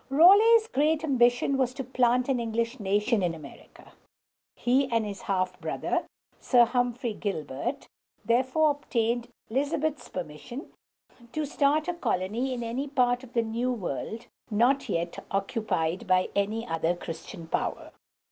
Raleigh's great ambition was to "plant an English nation in America." He and his half brother, Sir Humphrey Gil´bert, therefore obtained Elizabeth's permission to start a colony in any part of the New World not yet occupied by any other Christian power.